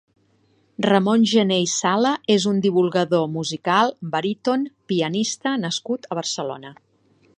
Ramon Gener i Sala és un divulgador musical, baríton, pianista nascut a Barcelona.